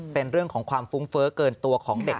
เป็นเรื่องของความฟุ้งเฟ้อเกินตัวของเด็ก